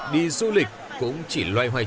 đi du lịch cũng chỉ loay hoay